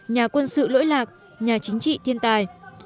nhà quân sự lỗi lạc nhà chính trị thiên tài